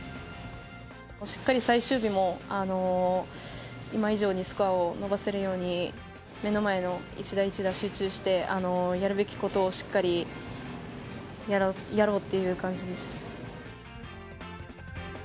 しっかり最終日も今以上にスコアを伸ばせるように、目の前の一打一打、集中して、やるべきことをしっかりやろうっていう感じです。